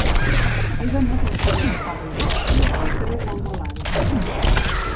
He d'anar del carrer de Pablo Iglesias al carrer del Baladre.